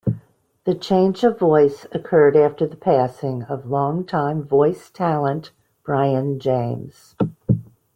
The change of voice occurred after the passing of longtime voice talent Brian James.